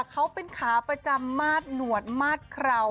เขาเป็นขาประจำมาดหนวดมาดเครา